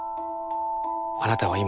あなたは今。